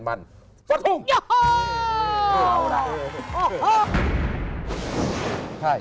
สะทุ่งโอ้โหออกใช่